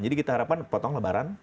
jadi kita harapkan potong lebaran